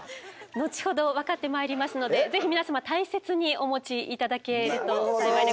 後ほど分かってまいりますので是非皆様大切にお持ち頂けると幸いでございます。